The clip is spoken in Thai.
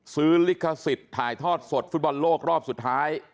ลิขสิทธิ์ถ่ายทอดสดฟุตบอลโลกรอบสุดท้าย